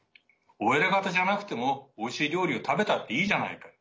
お偉方じゃなくてもおいしい料理を食べたっていいじゃないか。